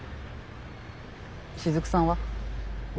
しずくさんは？